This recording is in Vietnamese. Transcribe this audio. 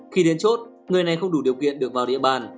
khi đến chốt người này không đủ điều kiện được vào địa bàn